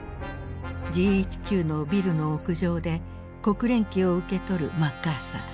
ＧＨＱのビルの屋上で国連旗を受け取るマッカーサー。